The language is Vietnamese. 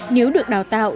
nếu được đào tạo